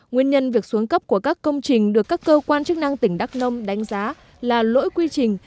nguyên nhân việc xuống cấp của các công trình được các cơ quan chức năng tỉnh đắk nông đánh giá là lỗi quy trình